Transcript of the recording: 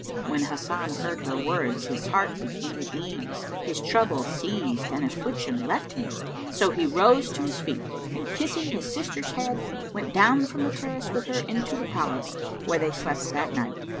When Hasan heard her words his heart became at ease, his trouble ceased and affliction left him; so he rose to his feet and kissing his sister's head, went down from the terrace with her into the palace, where they slept that night.